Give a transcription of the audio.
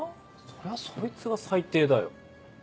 それはそいつが最低だよ。